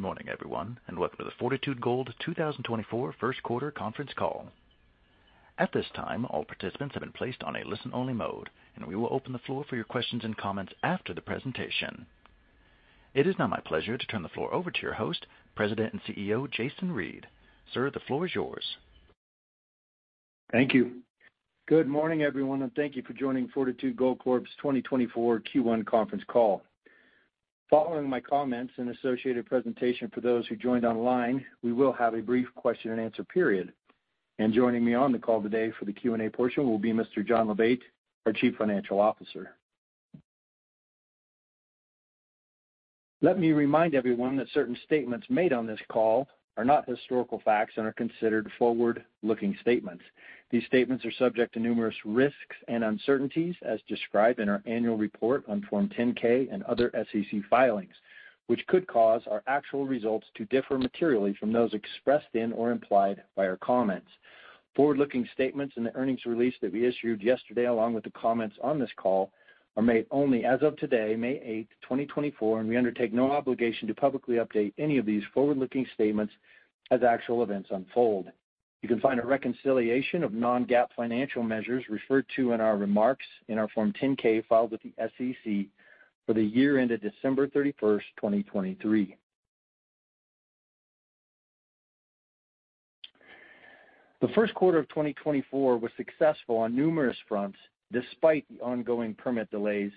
Good morning, everyone, and welcome to the Fortitude Gold 2024 First Quarter conference call. At this time, all participants have been placed on a listen-only mode, and we will open the floor for your questions and comments after the presentation. It is now my pleasure to turn the floor over to your host, President and CEO, Jason Reid. Sir, the floor is yours. Thank you. Good morning, everyone, and thank you for joining Fortitude Gold Corp's 2024 Q1 conference call. Following my comments and associated presentation for those who joined online, we will have a brief question-and-answer period. And joining me on the call today for the Q&A portion will be Mr. John Labate, our Chief Financial Officer. Let me remind everyone that certain statements made on this call are not historical facts and are considered forward-looking statements. These statements are subject to numerous risks and uncertainties, as described in our annual report on Form 10-K and other SEC filings, which could cause our actual results to differ materially from those expressed in or implied by our comments. Forward-looking statements in the earnings release that we issued yesterday, along with the comments on this call, are made only as of today, May 8, 2024, and we undertake no obligation to publicly update any of these forward-looking statements as actual events unfold. You can find a reconciliation of non-GAAP financial measures referred to in our remarks in our Form 10-K filed with the SEC for the year ended December 31st, 2023. The first quarter of 2024 was successful on numerous fronts, despite the ongoing permit delays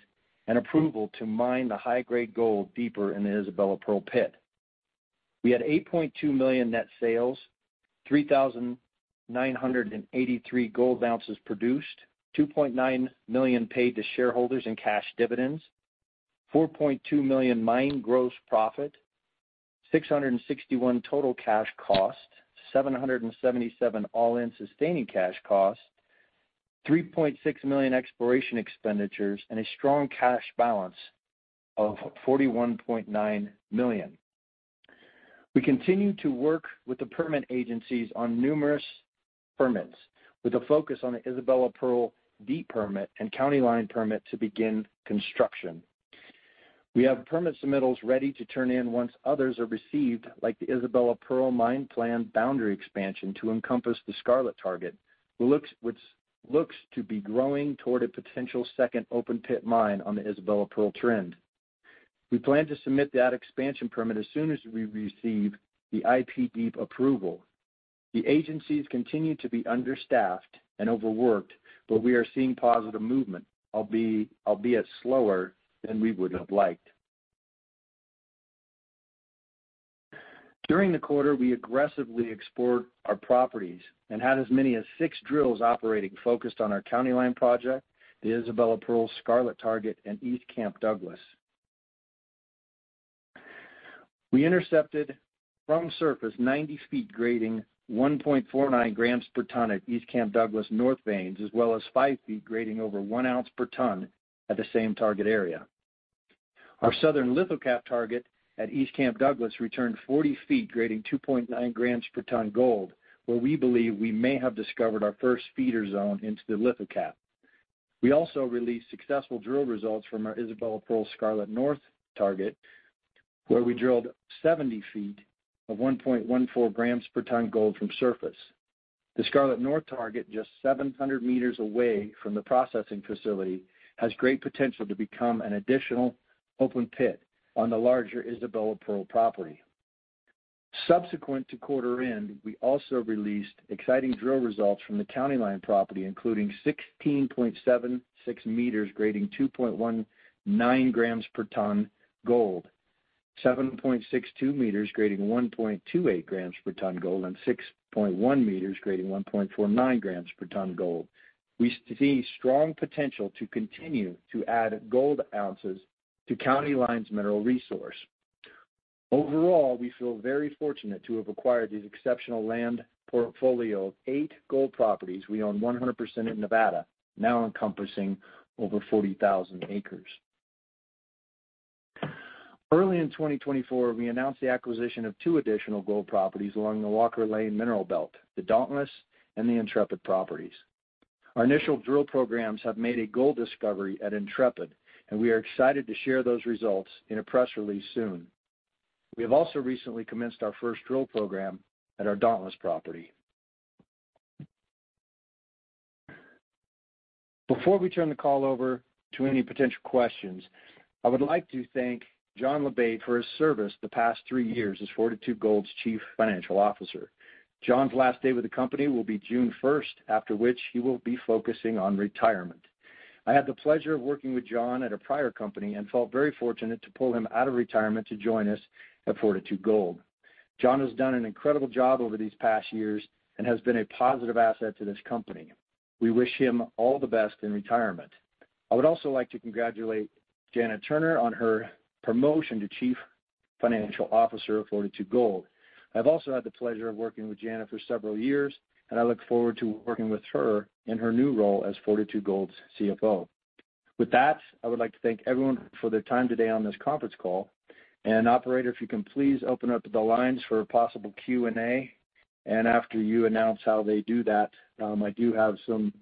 and approval to mine the high-grade gold deeper in the Isabella Pearl pit. We had $8.2 million net sales, 3,983 gold ounces produced, $2.9 million paid to shareholders in cash dividends, $4.2 million mine gross profit, $661 total cash cost, $777 all-in sustaining cash cost, $3.6 million exploration expenditures, and a strong cash balance of $41.9 million. We continue to work with the permit agencies on numerous permits, with a focus on the Isabella Pearl deep permit and County Line permit to begin construction. We have permit submittals ready to turn in once others are received, like the Isabella Pearl mine plan boundary expansion to encompass the Scarlet target, which looks to be growing toward a potential second open pit mine on the Isabella Pearl trend. We plan to submit that expansion permit as soon as we receive the IP deep approval. The agencies continue to be understaffed and overworked, but we are seeing positive movement, albeit slower than we would have liked. During the quarter, we aggressively explored our properties and had as many as six drills operating, focused on our County Line project, the Isabella Pearl Scarlet target, and East Camp Douglas. We intercepted from surface 90 ft grading 1.49 grams per ton at East Camp Douglas North veins, as well as five feet grading over one ounce per ton at the same target area. Our southern lithocap target at East Camp Douglas returned 40 ft, grading 2.9 grams per ton gold, where we believe we may have discovered our first feeder zone into the lithocap. We also released successful drill results from our Isabella Pearl Scarlet North target, where we drilled 70 ft of 1.14 grams per ton gold from surface. The Scarlet North target, just 700 meters away from the processing facility, has great potential to become an additional open pit on the larger Isabella Pearl property. Subsequent to quarter end, we also released exciting drill results from the County Line property, including 16.76 meters, grading 2.19 grams per ton gold, 7.62 meters, grading 1.28 grams per ton gold, and 6.1 meters, grading 1.49 grams per ton gold. We see strong potential to continue to add gold ounces to County Line's mineral resource. Overall, we feel very fortunate to have acquired this exceptional land portfolio of eight gold properties we own 100% in Nevada, now encompassing over 40,000 acres. Early in 2024, we announced the acquisition of two additional gold properties along the Walker Lane Mineral Belt, the Dauntless and the Intrepid properties. Our initial drill programs have made a gold discovery at Intrepid, and we are excited to share those results in a press release soon. We have also recently commenced our first drill program at our Dauntless property. Before we turn the call over to any potential questions, I would like to thank John Labate for his service the past three years as Fortitude Gold's Chief Financial Officer. John's last day with the company will be June 1st, after which he will be focusing on retirement. I had the pleasure of working with John at a prior company and felt very fortunate to pull him out of retirement to join us at Fortitude Gold. John has done an incredible job over these past years and has been a positive asset to this company. We wish him all the best in retirement. I would also like to congratulate Janet Turner on her promotion to Chief Financial Officer of Fortitude Gold. I've also had the pleasure of working with Janet for several years, and I look forward to working with her in her new role as Fortitude Gold's CFO. With that, I would like to thank everyone for their time today on this conference call. And operator, if you can please open up the lines for a possible Q&A, and after you announce how they do that, I do have some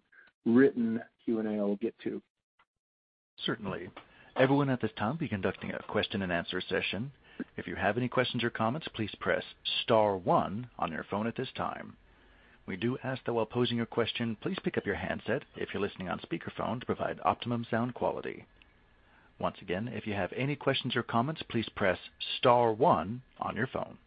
written Q&A I will get to. Certainly. Everyone at this time, we'll be conducting a question-and-answer session. If you have any questions or comments, please press star one on your phone at this time. We do ask that while posing your question, please pick up your handset if you're listening on speakerphone, to provide optimum sound quality. Once again, if you have any questions or comments, please press star one on your phone.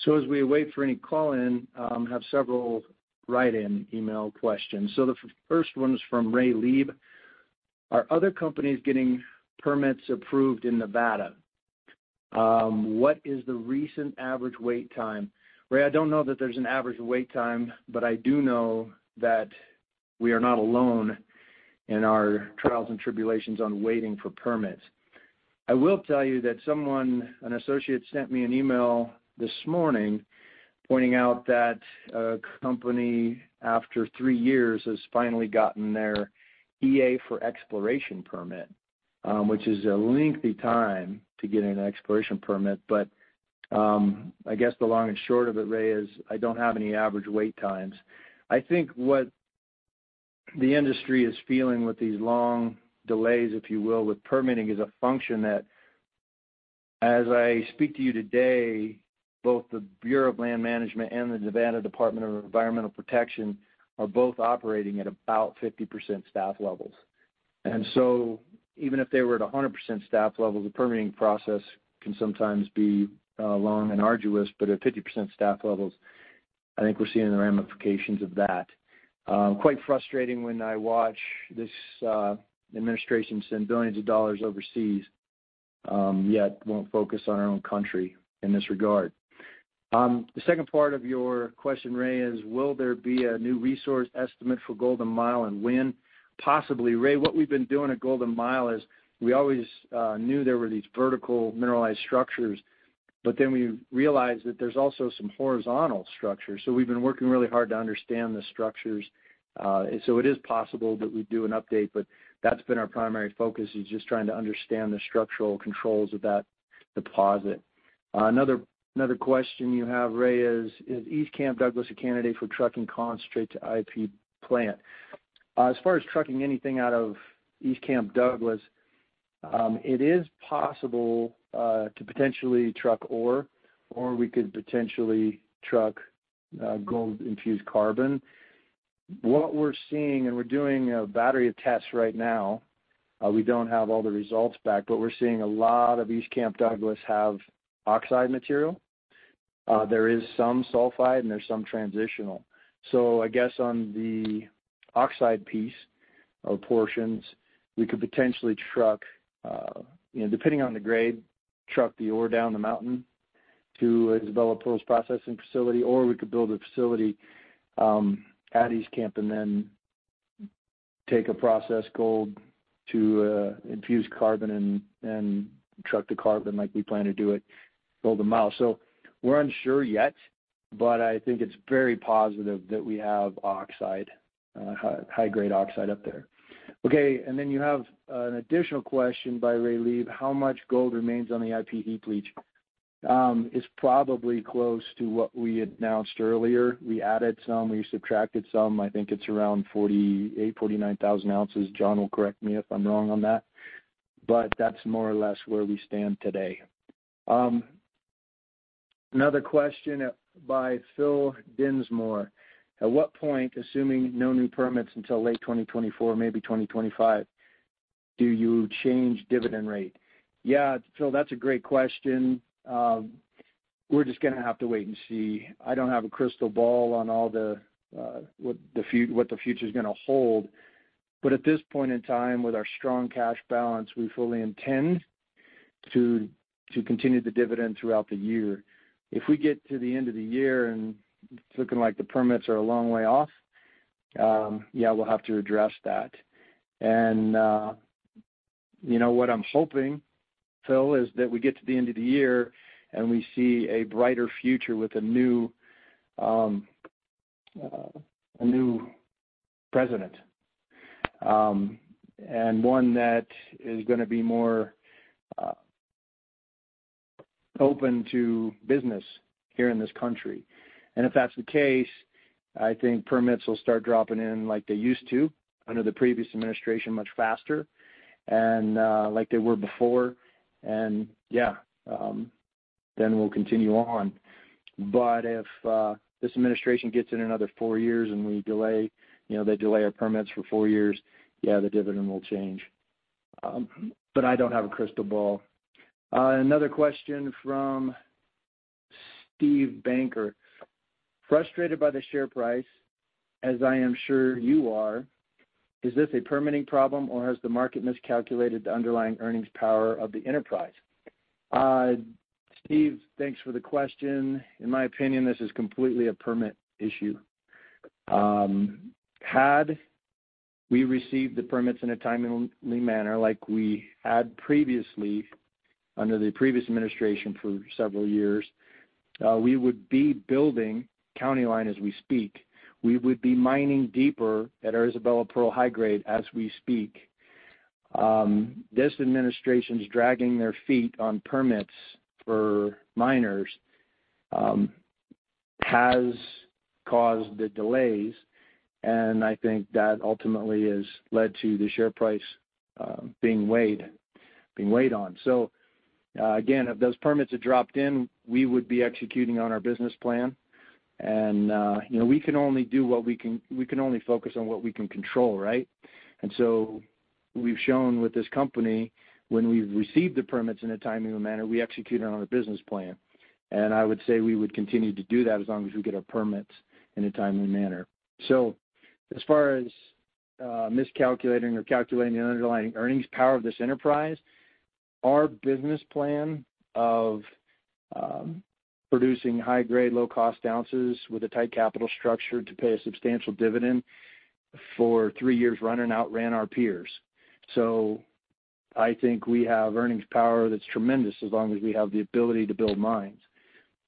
So as we wait for any call-in, have several write-in email questions. So the first one is from Ray Lieb. Are other companies getting permits approved in Nevada? What is the recent average wait time? Ray, I don't know that there's an average wait time, but I do know that we are not alone in our trials and tribulations on waiting for permits. I will tell you that someone, an associate, sent me an email this morning pointing out that a company, after three years, has finally gotten their EA for exploration permit, which is a lengthy time to get an exploration permit. But, I guess the long and short of it, Ray, is I don't have any average wait times. I think what the industry is feeling with these long delays, if you will, with permitting, is a function that, as I speak to you today, both the Bureau of Land Management and the Nevada Department of Environmental Protection are both operating at about 50% staff levels. And so even if they were at 100% staff levels, the permitting process can sometimes be long and arduous, but at 50% staff levels, I think we're seeing the ramifications of that. Quite frustrating when I watch this administration send billions of dollars overseas, yet won't focus on our own country in this regard. The second part of your question, Ray, is, will there be a new resource estimate for Golden Mile and when? Possibly. Ray, what we've been doing at Golden Mile is we always knew there were these vertical mineralized structures, but then we realized that there's also some horizontal structures. So we've been working really hard to understand the structures. So it is possible that we do an update, but that's been our primary focus, is just trying to understand the structural controls of that deposit. Another question you have, Ray, is East Camp Douglas a candidate for trucking concentrate to IP plant? As far as trucking anything out of East Camp Douglas, it is possible to potentially truck ore, or we could potentially truck gold-infused carbon. What we're seeing, and we're doing a battery of tests right now, we don't have all the results back, but we're seeing a lot of East Camp Douglas have oxide material. There is some sulfide, and there's some transitional. So I guess on the oxide piece or portions, we could potentially truck, you know, depending on the grade, truck the ore down the mountain to Isabella Pearl processing facility, or we could build a facility at East Camp and then take and process gold to infuse carbon and truck the carbon like we plan to do at Golden Mile. So we're unsure yet, but I think it's very positive that we have oxide, high-grade oxide up there. Okay, and then you have an additional question by Ray Lieb. How much gold remains on the IP heap leach? It's probably close to what we announced earlier. We added some, we subtracted some. I think it's around 48,000-49,000 ounces. John will correct me if I'm wrong on that, but that's more or less where we stand today. Another question by Phil Dinsmore. At what point, assuming no new permits until late 2024, maybe 2025, do you change dividend rate? Yeah, Phil, that's a great question. We're just gonna have to wait and see. I don't have a crystal ball on all the, what the future is gonna hold. But at this point in time, with our strong cash balance, we fully intend to, to continue the dividend throughout the year. If we get to the end of the year and it's looking like the permits are a long way off, yeah, we'll have to address that. You know, what I'm hoping, Phil, is that we get to the end of the year, and we see a brighter future with a new president, and one that is gonna be more open to business here in this country. If that's the case, I think permits will start dropping in like they used to, under the previous administration, much faster and like they were before. Yeah, then we'll continue on. But if this administration gets in another four years and we delay, you know, they delay our permits for four years, yeah, the dividend will change. But I don't have a crystal ball. Another question from Steve Banker. Frustrated by the share price, as I am sure you are, is this a permitting problem, or has the market miscalculated the underlying earnings power of the enterprise? Steve, thanks for the question. In my opinion, this is completely a permit issue. Had we received the permits in a timely manner, like we had previously, under the previous administration for several years, we would be building County Line as we speak. We would be mining deeper at our Isabella Pearl high grade as we speak. This administration's dragging their feet on permits for miners has caused the delays, and I think that ultimately has led to the share price being weighed, being weighed on. So, again, if those permits had dropped in, we would be executing on our business plan. You know, we can only focus on what we can control, right? And so we've shown with this company, when we've received the permits in a timely manner, we execute on our business plan. And I would say we would continue to do that as long as we get our permits in a timely manner. So as far as miscalculating or calculating the underlying earnings power of this enterprise, our business plan of producing high-grade, low-cost ounces with a tight capital structure to pay a substantial dividend for three years running, outran our peers. So I think we have earnings power that's tremendous, as long as we have the ability to build mines.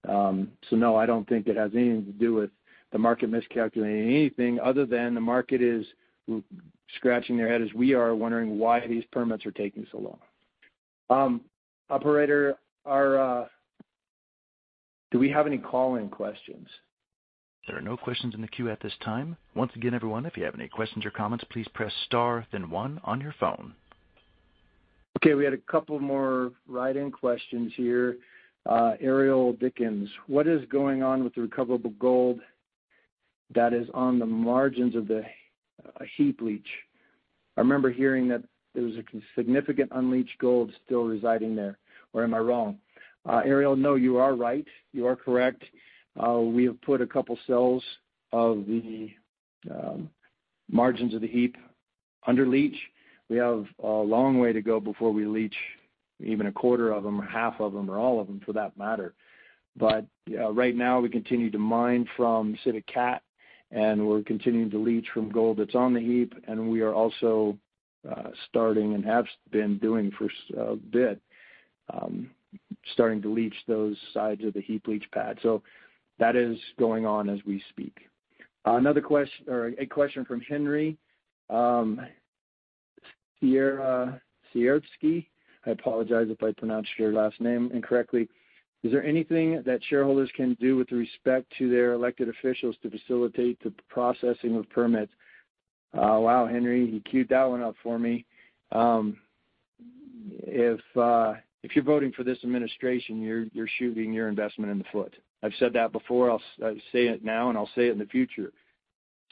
So, no, I don't think it has anything to do with the market miscalculating anything other than the market is scratching their head, as we are, wondering why these permits are taking so long. Operator, do we have any call-in questions? There are no questions in the queue at this time. Once again, everyone, if you have any questions or comments, please press star, then one on your phone. Okay, we had a couple more write-in questions here. Ariel Dickens, what is going on with the recoverable gold that is on the margins of the heap leach? I remember hearing that there was a significant unleached gold still residing there, or am I wrong? Ariel, no, you are right. You are correct. We have put a couple cells of the margins of the heap under leach. We have a long way to go before we leach even a quarter of them, or half of them, or all of them, for that matter. But, right now, we continue to mine from Civit Cat, and we're continuing to leach from gold that's on the heap, and we are also starting and have been doing for a bit, starting to leach those sides of the heap leach pad. So that is going on as we speak. Another question from Henry Sieradzki. I apologize if I pronounced your last name incorrectly. Is there anything that shareholders can do with respect to their elected officials to facilitate the processing of permits? Wow, Henry, you cued that one up for me. If you're voting for this administration, you're shooting your investment in the foot. I've said that before, I say it now, and I'll say it in the future.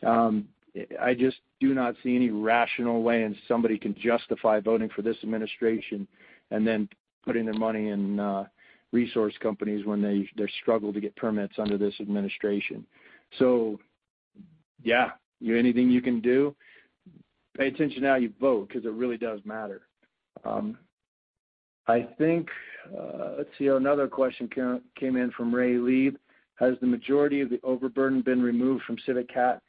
I just do not see any rational way, and somebody can justify voting for this administration and then putting their money in resource companies when they struggle to get permits under this administration. So, yeah, anything you can do, pay attention to how you vote, because it really does matter. I think, let's see, another question came in from Ray Lieb. Has the majority of the overburden been removed from Civit Cat?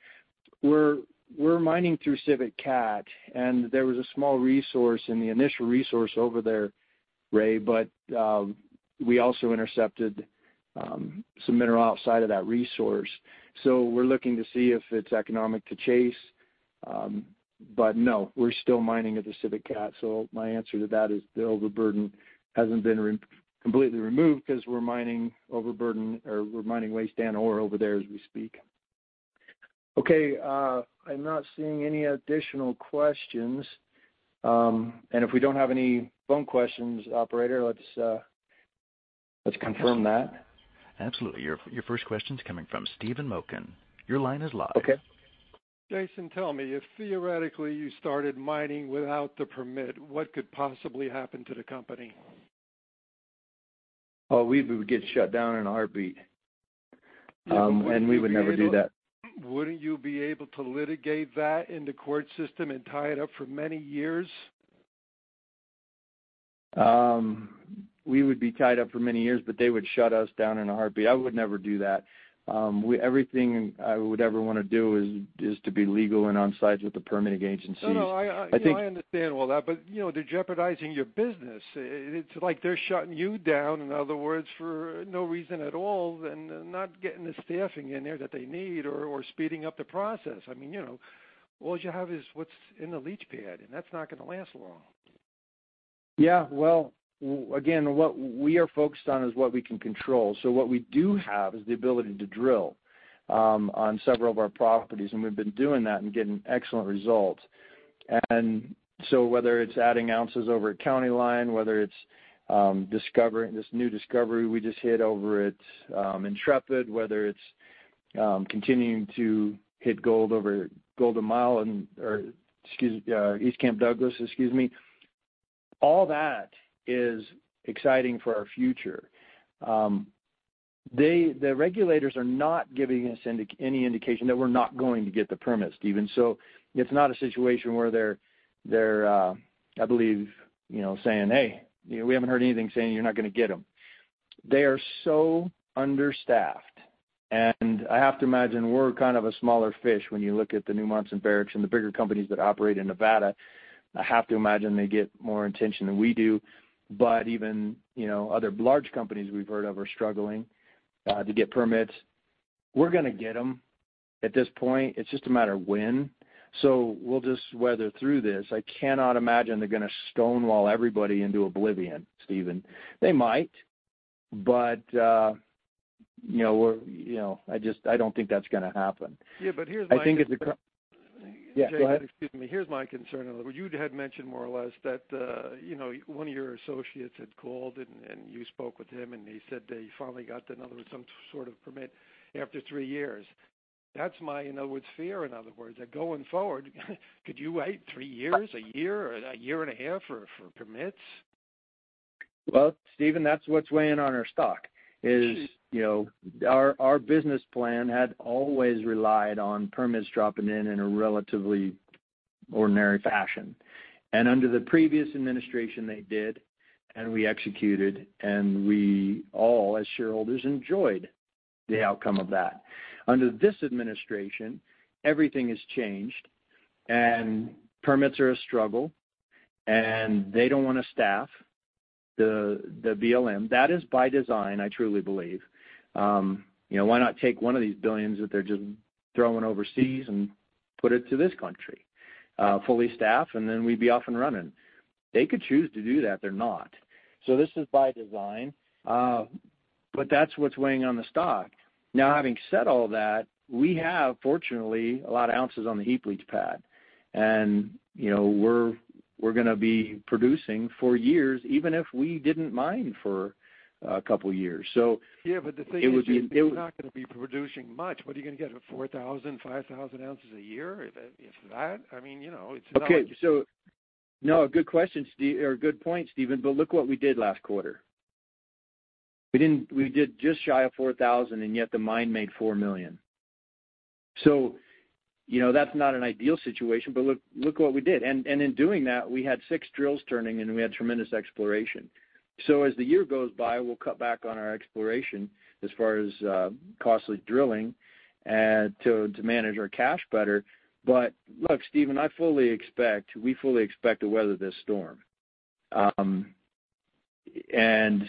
We're mining through Civit Cat, and there was a small resource in the initial resource over there, Ray, but we also intercepted some mineral outside of that resource. So we're looking to see if it's economic to chase, but no, we're still mining at the Civit Cat. So my answer to that is, the overburden hasn't been completely removed because we're mining overburden, or we're mining waste and ore over there as we speak. Okay, I'm not seeing any additional questions. And if we don't have any phone questions, operator, let's confirm that. Absolutely. Your, your first question's coming from Steven Moken. Your line is live. Okay. Jason, tell me, if theoretically, you started mining without the permit, what could possibly happen to the company? Oh, we would get shut down in a heartbeat, and we would never do that. Wouldn't you be able to litigate that in the court system and tie it up for many years? We would be tied up for many years, but they would shut us down in a heartbeat. I would never do that. Everything I would ever wanna do is to be legal and on sides with the permitting agencies. No, no, I- I think- I understand all that, but, you know, they're jeopardizing your business. It, it's like they're shutting you down, in other words, for no reason at all, and, not getting the staffing in there that they need or speeding up the process. I mean, you know, all you have is what's in the leach pad, and that's not gonna last long. Yeah. Well, again, what we are focused on is what we can control. So what we do have is the ability to drill on several of our properties, and we've been doing that and getting excellent results. And so whether it's adding ounces over at County Line, whether it's this new discovery we just hit over at Intrepid, whether it's continuing to hit gold over Golden Mile and, or excuse me, East Camp Douglas, excuse me. All that is exciting for our future. They, the regulators are not giving us any indication that we're not going to get the permits, even. So it's not a situation where they're, they're, I believe, you know, saying, "Hey," we haven't heard anything saying, "You're not gonna get them." They are so understaffed, and I have to imagine we're kind of a smaller fish when you look at the Newmont and Barrick and the bigger companies that operate in Nevada. I have to imagine they get more attention than we do, but even, you know, other large companies we've heard of are struggling to get permits. We're gonna get them, at this point, it's just a matter of when, so we'll just weather through this. I cannot imagine they're gonna stonewall everybody into oblivion, Steven. They might, but, you know, we're, you know, I just, I don't think that's gonna happen. Yeah, but here's my Yeah, go ahead. Excuse me. Here's my concern, however. You'd had mentioned more or less that, you know, one of your associates had called, and you spoke with him, and he said that he finally got, in other words, some sort of permit after three years. That's my, in other words, fear, in other words, that going forward, could you wait three years, a year, or a year and a half for permits? Well, Steven, that's what's weighing on our stock is, you know, our business plan had always relied on permits dropping in a relatively ordinary fashion. And under the previous administration, they did, and we executed, and we all, as shareholders, enjoyed the outcome of that. Under this administration, everything has changed, and permits are a struggle, and they don't wanna staff the BLM. That is by design, I truly believe. You know, why not take one of these billions that they're just throwing overseas and put it to this country? Fully staff, and then we'd be off and running. They could choose to do that. They're not. So this is by design, but that's what's weighing on the stock. Now, having said all that, we have, fortunately, a lot of ounces on the heap leach pad, and, you know, we're, we're gonna be producing for years, even if we didn't mine for a couple years. So- Yeah, but the thing is. You're not gonna be producing much. What are you gonna get? 4,000-5,000 ounces a year, if, if that? I mean, you know, it's not- Okay, so, no, good question, Steven or good point, Steven, but look what we did last quarter. We didn't, we did just shy of 4,000, and yet the mine made $4 million. So, you know, that's not an ideal situation, but look, look what we did. And in doing that, we had six drills turning, and we had tremendous exploration. So as the year goes by, we'll cut back on our exploration as far as costly drilling to manage our cash better. But look, Steven, I fully expect, we fully expect to weather this storm. And,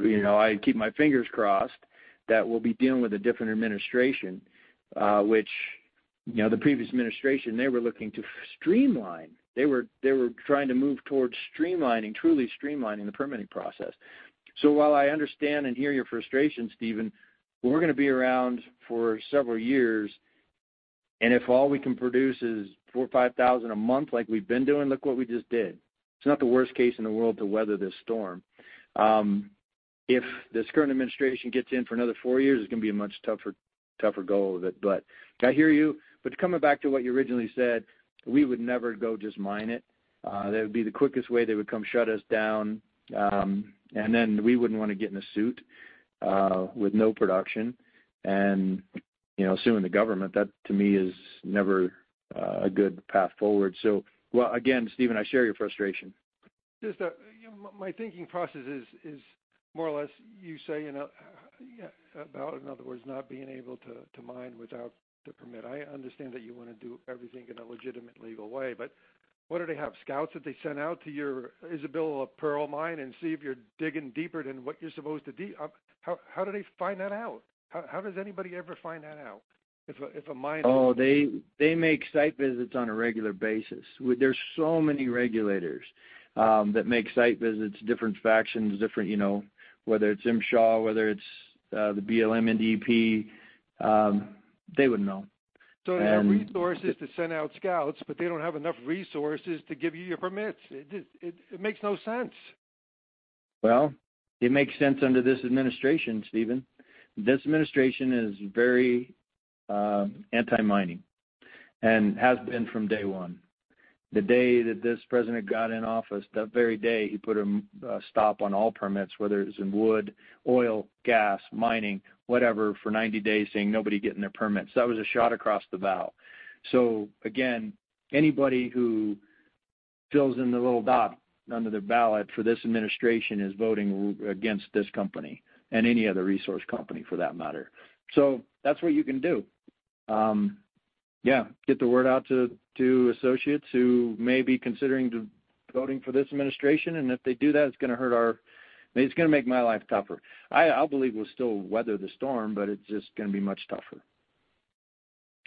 you know, I keep my fingers crossed that we'll be dealing with a different administration, which, you know, the previous administration, they were looking to streamline. They were trying to move towards streamlining, truly streamlining the permitting process. So while I understand and hear your frustration, Steven, we're gonna be around for several years, and if all we can produce is 4,000 or 5,000 a month, like we've been doing, look what we just did. It's not the worst case in the world to weather this storm. If this current administration gets in for another 4 years, it's gonna be a much tougher, tougher go of it. But I hear you. But coming back to what you originally said, we would never go just mine it. That would be the quickest way they would come shut us down, and then we wouldn't wanna get in a suit with no production. And, you know, suing the government, that, to me, is never a good path forward. So while, again, Steven, I share your frustration. Just, you know, my thinking process is more or less, you say, you know, yeah, about, in other words, not being able to mine without the permit. I understand that you wanna do everything in a legitimate, legal way, but what do they have? Scouts that they send out to your Isabella Pearl mine and see if you're digging deeper than what you're supposed to dig up? How do they find that out? How does anybody ever find that out, if a miner- Oh, they make site visits on a regular basis. Well, there's so many regulators that make site visits, different factions, you know, whether it's MSHA, whether it's the BLM, NDEP, they would know, and- So they have resources to send out scouts, but they don't have enough resources to give you your permits. It just makes no sense. Well, it makes sense under this administration, Steven. This administration is very anti-mining and has been from day one. The day that this president got in office, that very day, he put a stop on all permits, whether it's in wood, oil, gas, mining, whatever, for 90 days, saying nobody getting their permits. That was a shot across the bow. So again, anybody who fills in the little dot under the ballot for this administration is voting against this company and any other resource company for that matter. So that's what you can do. Yeah, get the word out to associates who may be considering to voting for this administration, and if they do that, it's gonna hurt our- It's gonna make my life tougher. I believe we'll still weather the storm, but it's just gonna be much tougher.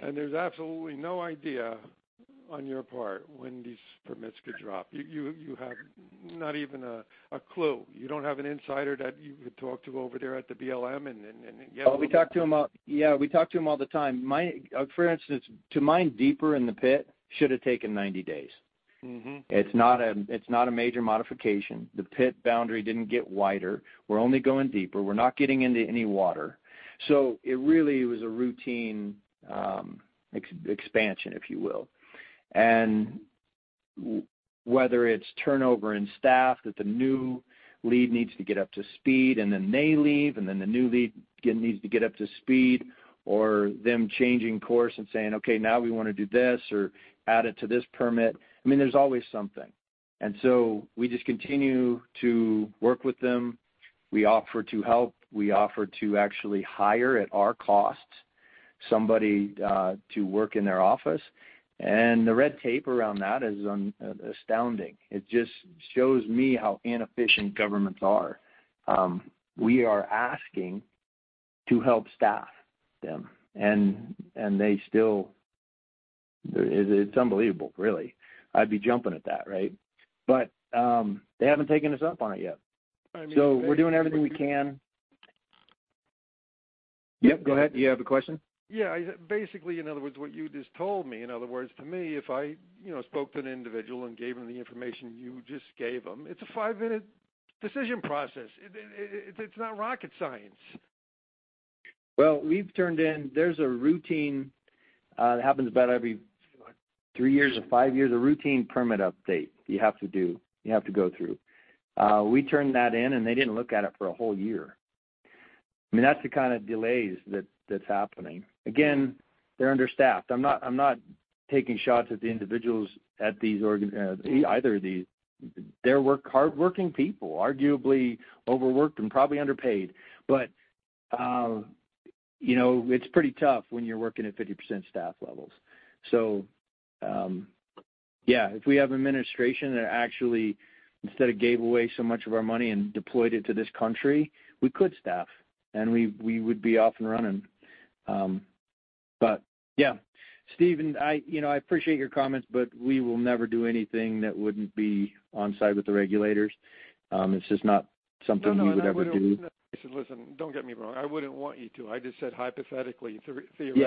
There's absolutely no idea on your part when these permits could drop. You have not even a clue. You don't have an insider that you could talk to over there at the BLM and then get- Well, we talk to them, yeah, we talk to them all the time. For instance, to mine deeper in the pit should have taken 90 days. Mm-hmm. It's not a major modification. The pit boundary didn't get wider. We're only going deeper. We're not getting into any water. So it really was a routine expansion, if you will. Whether it's turnover in staff, that the new lead needs to get up to speed, and then they leave, and then the new lead needs to get up to speed, or them changing course and saying, "Okay, now we wanna do this or add it to this permit." I mean, there's always something. So we just continue to work with them. We offer to help. We offer to actually hire, at our cost, somebody to work in their office, and the red tape around that is astounding. It just shows me how inefficient governments are. We are asking to help staff them, and they still. It, it's unbelievable, really. I'd be jumping at that, right? But, they haven't taken us up on it yet. So we're doing everything we can. Yep, go ahead. Do you have a question? Yeah. Basically, in other words, what you just told me, in other words, to me, if I, you know, spoke to an individual and gave them the information you just gave them, it's a five-minute decision process. It's not rocket science. Well, we've turned in. There's a routine that happens about every three years or five years, a routine permit update you have to do, you have to go through. We turned that in, and they didn't look at it for a whole year. I mean, that's the kind of delays that's happening. Again, they're understaffed. I'm not taking shots at the individuals, at these organizations, either of these. They're hard-working people, arguably overworked and probably underpaid. But, you know, it's pretty tough when you're working at 50% staff levels. So, yeah, if we have administration that actually, instead of gave away so much of our money and deployed it to this country, we could staff, and we would be off and running. But yeah, Steven, I, you know, I appreciate your comments, but we will never do anything that wouldn't be on-site with the regulators. It's just not something we would ever do. No, no, I said, listen, don't get me wrong. I wouldn't want you to. I just said, hypothetically, the- Yeah Theoretically,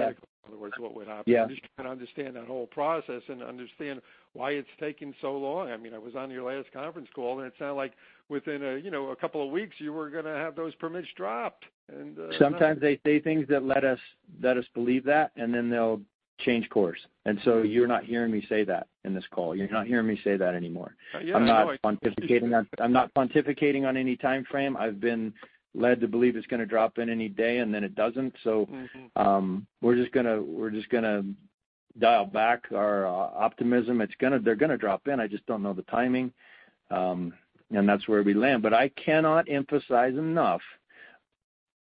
in other words, what would happen? Yeah. I'm just trying to understand that whole process and understand why it's taking so long. I mean, I was on your last conference call, and it sounded like within a, you know, a couple of weeks, you were gonna have those permits dropped, and- Sometimes they say things that let us, let us believe that, and then they'll change course. And so you're not hearing me say that in this call. You're not hearing me say that anymore. Yeah, I know. I'm not pontificating on any timeframe. I've been led to believe it's gonna drop any day, and then it doesn't. Mm-hmm. So, we're just gonna dial back our optimism. It's gonna—they're gonna drop in. I just don't know the timing, and that's where we land. But I cannot emphasize enough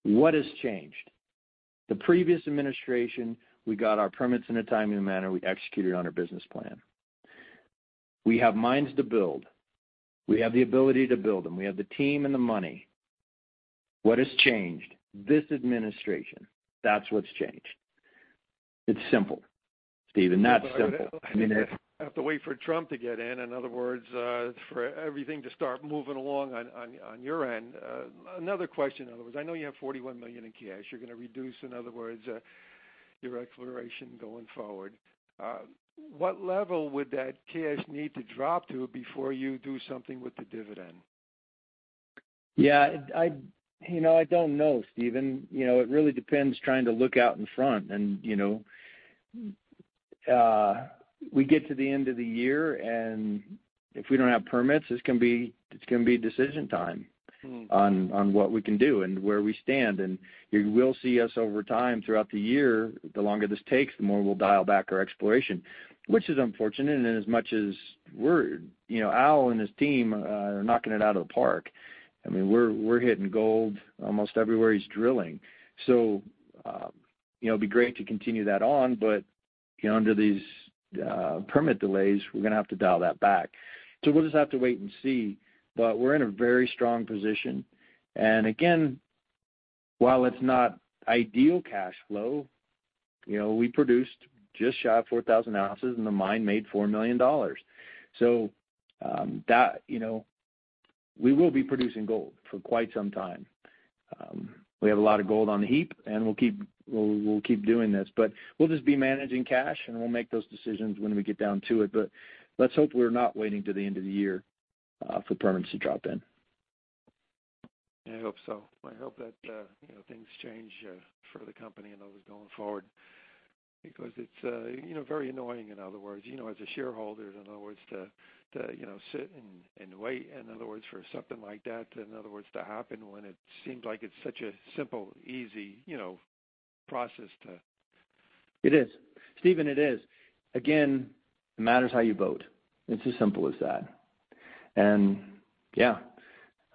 what has changed. The previous administration, we got our permits in a timely manner. We executed on our business plan. We have mines to build. We have the ability to build them. We have the team and the money. What has changed? This administration, that's what's changed. It's simple, Steven. That's simple. I mean, I have to wait for Trump to get in, in other words, for everything to start moving along on your end. Another question. In other words, I know you have $41 million in cash. You're gonna reduce, in other words, your exploration going forward. What level would that cash need to drop to before you do something with the dividend? Yeah, you know, I don't know, Steven. You know, it really depends, trying to look out in front and, you know, we get to the end of the year, and if we don't have permits, it's gonna be, it's gonna be decision time- Mm On what we can do and where we stand, and you will see us over time throughout the year. The longer this takes, the more we'll dial back our exploration, which is unfortunate. And as much as we're, you know, Al and his team are knocking it out of the park. I mean, we're hitting gold almost everywhere he's drilling, so, you know, it'd be great to continue that on, but, you know, under these permit delays, we're gonna have to dial that back. So we'll just have to wait and see, but we're in a very strong position. And again, while it's not ideal cash flow, you know, we produced just shy of 4,000 ounces, and the mine made $4 million. So, that, you know. We will be producing gold for quite some time. We have a lot of gold on the heap, and we'll keep doing this. But we'll just be managing cash, and we'll make those decisions when we get down to it. But let's hope we're not waiting to the end of the year for permits to drop in. I hope so. I hope that, you know, things change, for the company and always going forward because it's, you know, very annoying, in other words, you know, as a shareholder, in other words, to, you know, sit and wait, in other words, for something like that, in other words, to happen when it seems like it's such a simple, easy, you know, process to. It is. Steven, it is. Again, it matters how you vote. It's as simple as that. And yeah,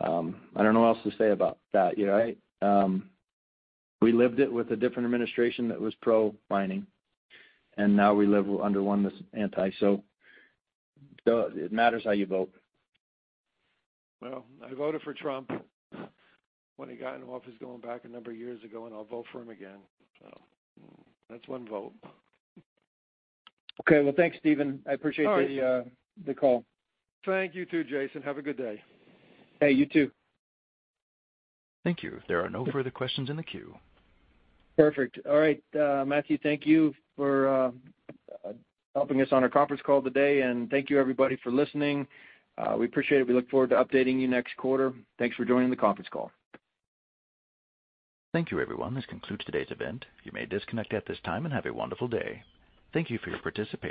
I don't know what else to say about that. You know, I, we lived it with a different administration that was pro-mining, and now we live under one that's anti. So it matters how you vote. Well, I voted for Trump when he got into office, going back a number of years ago, and I'll vote for him again. So that's one vote. Okay, well, thanks, Steven. I appreciate the- All right The call. Thank you, too, Jason. Have a good day. Hey, you too. Thank you. There are no further questions in the queue. Perfect. All right, Matthew, thank you for helping us on our conference call today, and thank you, everybody, for listening. We appreciate it. We look forward to updating you next quarter. Thanks for joining the conference call. Thank you, everyone. This concludes today's event. You may disconnect at this time, and have a wonderful day. Thank you for your participation.